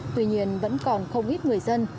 tuy nhiên vẫn còn không ít người dân